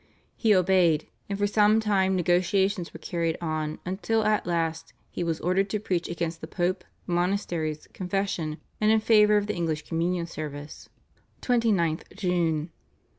He obeyed, and for some time negotiations were carried on, until at last he was ordered to preach against the Pope, monasteries, confession, and in favour of the English Communion service (29th June).